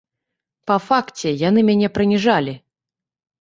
Па факце яны мяне прыніжалі.